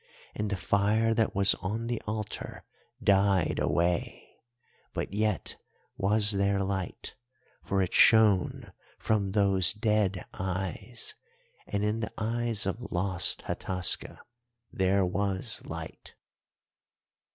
And the fire that was on the altar died away, but yet was there light, for it shone from those dead eyes, and in the eyes of lost Hataska there was light.